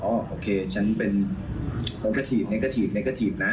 โอเคฉันเป็นโปรกระถีบเนกระถีบเนกระถีบนะ